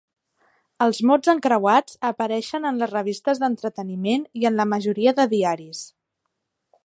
Els mots encreuats apareixen en les revistes d'entreteniment i en la majoria de diaris.